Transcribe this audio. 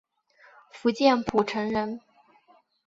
福建浦城人。